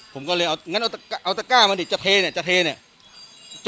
ผมก็เอาเอาตะก้าเอาตะก้าอยากเทเนี่ย